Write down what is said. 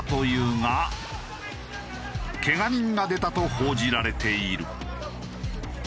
けが人が出たと報じられている。